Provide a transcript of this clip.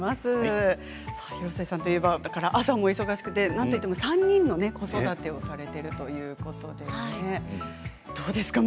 広末さんといえば朝も忙しくてなんといっても３人の子育てをされているということでどうですか？